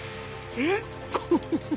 えっ！